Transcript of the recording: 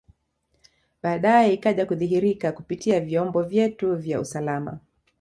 Baadae ikaja kudhihirika kupitia vyombo vyetu vya usalama